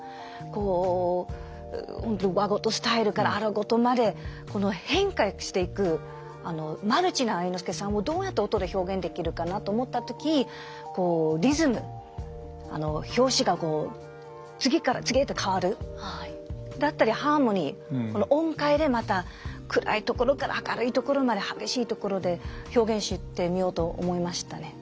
こう本当に和事スタイルから荒事まで変化していくマルチな愛之助さんをどうやって音で表現できるかなと思った時リズム拍子が次から次へと変わるだったりハーモニー音階でまた暗いところから明るいところまで激しいところで表現してみようと思いましたね。